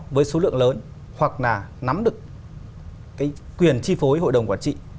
với số lượng lớn hoặc là nắm được cái quyền chi phối hội đồng quản trị